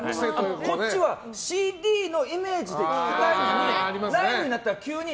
こっちはＣＤのイメージで聞きたいのにライブになったら急に。